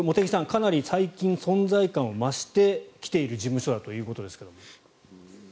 かなり最近存在感を増してきている事務所ということですが。